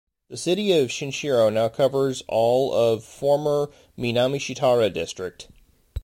The city of Shinshiro now covers all of former Minamishitara District.